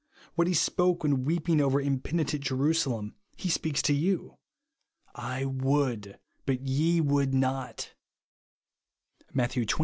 What he spoke when weeping over impenitent Jeru salem he speaks to you, "/ tuould but ye luould not,'' (Matt, xxiii.